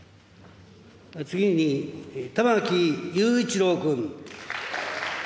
次に、玉木雄一郎君。